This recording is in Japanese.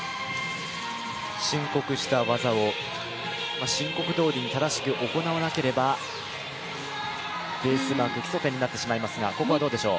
申告した技を申告どおりに正しく行わなければベースマーク、基礎点になってしまいますがここはどうでしょう。